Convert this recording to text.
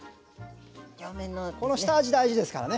この下味大事ですからね。